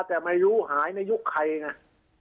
แต่ไม่รู้หายในยุคใครไง